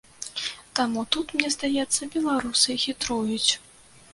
Таму тут, мне здаецца, беларусы хітруюць.